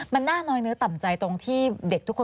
มันน่าน้อยเนื้อต่ำใจตรงที่เด็กทุกคน